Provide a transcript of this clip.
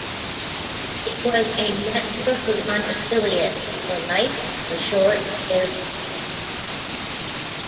It was a Network One affiliate for the life of the short-lived network.